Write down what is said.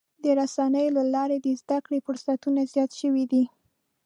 د رسنیو له لارې د زدهکړې فرصتونه زیات شوي دي.